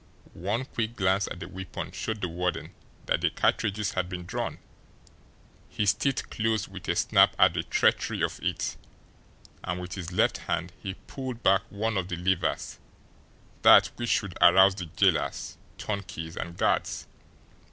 One quick glance at the weapon showed the warden that the cartridges had been drawn! His teeth closed with a snap at the treachery of it, and with his left hand he pulled back one of the levers that which should arouse the jailers, turnkeys and guards.